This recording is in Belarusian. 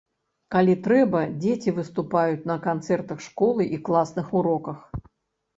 Калі трэба, дзеці выступаюць на канцэртах школы і класных уроках.